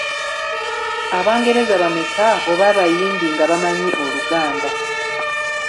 Abangereza bameka oba Abayindi nga bamanyi Oluganda?